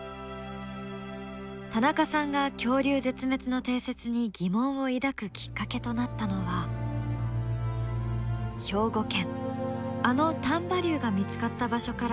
田中さんが恐竜絶滅の定説に疑問を抱くきっかけとなったのは兵庫県あの丹波竜が見つかった場所から掘り出された化石でした。